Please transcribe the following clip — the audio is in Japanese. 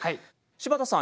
柴田さん